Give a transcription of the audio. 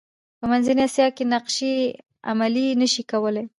په منځنۍ اسیا کې نقشې عملي نه شي کولای.